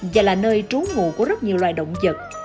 và là nơi trú ngủ của rất nhiều loài động vật